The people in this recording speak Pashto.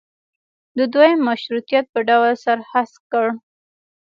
د دویم مشروطیت په ډول سر هسک کړ.